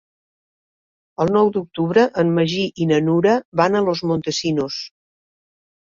El nou d'octubre en Magí i na Nura van a Los Montesinos.